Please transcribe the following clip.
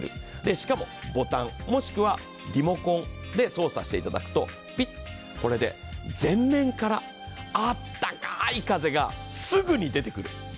しかも、ボタンもしくはリモコンで操作していただくとピッ、これで前面から温かい風がすぐに出てくる。